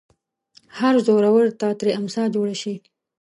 هو زورور ته ترې امسا جوړه شي